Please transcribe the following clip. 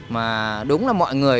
mà đúng là mọi người